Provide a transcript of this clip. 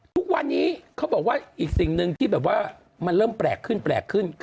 ทุกวันนี้เขาบอกว่าอีกสิ่งหนึ่งที่แบบว่ามันเริ่มแปลกขึ้นแปลกขึ้น